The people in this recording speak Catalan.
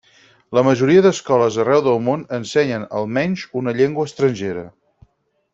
La majoria d'escoles arreu del món ensenyen almenys una llengua estrangera.